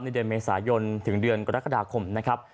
เดือนเมษายนถึงเดือนกรกฎาคมนะครับ